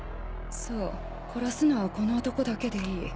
そう殺すのはこの男だけでいい。